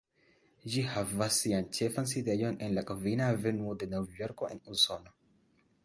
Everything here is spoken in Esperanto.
Ĝi havas sian ĉefan sidejon en la Kvina Avenuo de Novjorko en Usono.